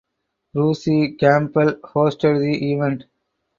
Bruce Campbell hosted the event.